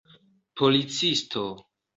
policisto